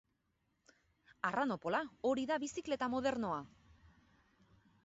Arranopola, hori da bizikleta modernoa!